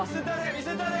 見せたれ！